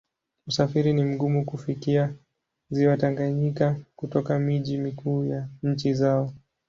Usafiri ni mgumu kufikia Ziwa Tanganyika kutoka miji mikuu ya nchi zao.